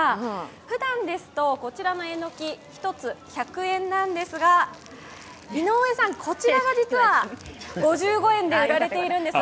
ふだんですとこちらのえのき、１つ１００円なんですが井上さん、こちらが実は５５円で売られているんです。